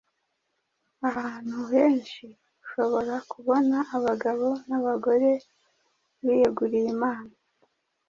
Ahantu henshi, ushobora kubona abagabo n’abagore biyeguriye Imana